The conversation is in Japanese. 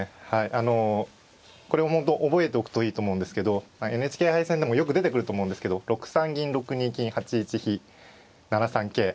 あのこれ覚えておくといいと思うんですけどＮＨＫ杯戦でもよく出てくると思うんですけど６三銀６二金８一飛７三桂。